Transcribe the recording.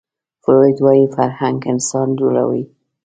فروید وايي فرهنګ انسان جوړوي